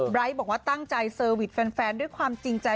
บอกว่าตั้งใจเซอร์วิสแฟนด้วยความจริงใจ